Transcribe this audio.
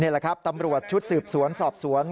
นี่แหละครับตำรวจชุดสืบสวนสอบสวน